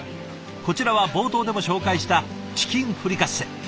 こちらは冒頭でも紹介したチキンフリカッセ。